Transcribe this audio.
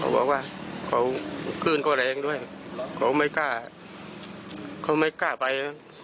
บอกว่าเขาคลื่นก็แรงด้วยเขาไม่กล้าเขาไม่กล้าไป